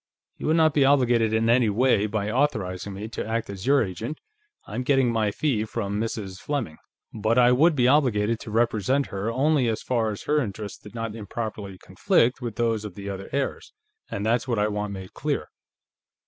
You will not be obligated in any way by authorizing me to act as your agent I'm getting my fee from Mrs. Fleming but I would be obligated to represent her only as far as her interests did not improperly conflict with those of the other heirs, and that's what I want made clear."